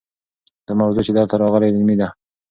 دا موضوع چې دلته راغلې علمي ده.